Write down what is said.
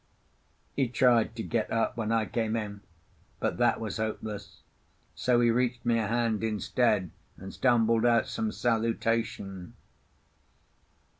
He tried to get up when I came in, but that was hopeless; so he reached me a hand instead, and stumbled out some salutation.